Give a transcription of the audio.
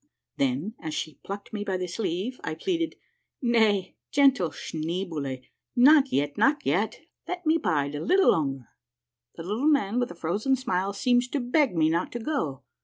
Then, as she plucked me by the sleeve, I pleaded, "Nay, gentle Schneeboule, not yet, not yet, let me bide a bit longer. The Little Man with the Frozen Smile seems to beg me not to go.